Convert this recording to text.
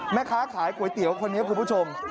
แม่ค้าขายก๋วยเตี๋ยวคนนี้คุณผู้ชม